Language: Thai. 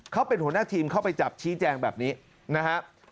เขาเป็นหัวหน้าทีมเข้าไปจับชี้แจงแบบนี้นะครับ